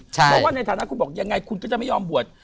เพราะว่าในฐานะคุณบอกยังไงคุณก็จะไม่ยอมบวช